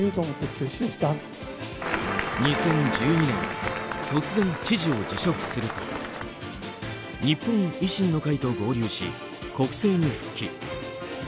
２０１２年、突然知事を辞職すると日本維新の会と合流し国政に復帰。